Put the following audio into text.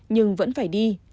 nhưng vẫn phải đi